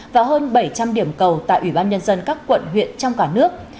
và hơn bảy trăm linh điểm cầu tại ủy ban nhân dân các quận huyện trong cả nước